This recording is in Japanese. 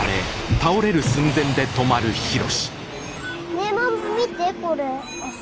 ねえママ見てこれ。